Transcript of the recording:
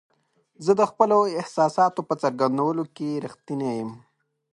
زه د خپلو احساساتو په څرګندولو کې رښتینی یم.